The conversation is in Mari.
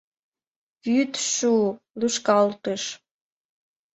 Вӱд шу-у! лӱшкалтыш.